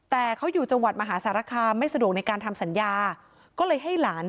แต่เขาอยู่จังหวัดมหาสารคามไม่สะดวกในการทำสัญญาก็เลยให้หลาน